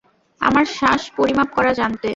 আমার শ্বাস পরিমাপ করা জানতে।